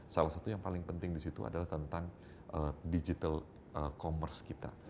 salah satu yang paling penting di situ adalah tentang digital commerce kita